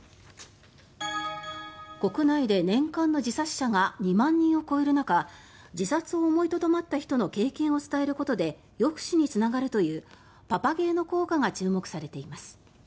国内で年間の自殺者が２万人を超える中自殺を思いとどまった人の経験を伝えることで抑止につながるというパパゲーノ効果が注目されています。